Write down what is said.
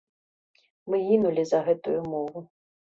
Мы гінулі за гэтую мову.